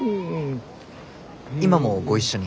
今もご一緒に？